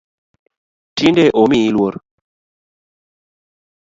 Tinde omiyi luor .